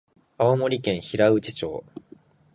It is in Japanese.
青森県平内町